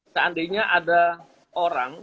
seandainya ada orang